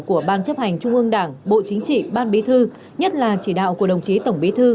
của ban chấp hành trung ương đảng bộ chính trị ban bí thư nhất là chỉ đạo của đồng chí tổng bí thư